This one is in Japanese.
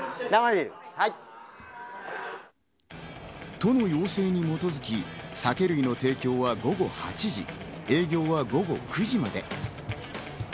都の要請に基づき、酒類の提供は午後８時、営業は午後９時まで。